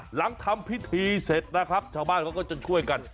หลังทำพิธีเสร็จนะครับชาวบ้านเขาก็จนช่วยกัน